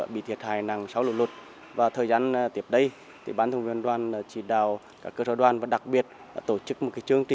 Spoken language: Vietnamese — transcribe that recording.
để có thể là đến trường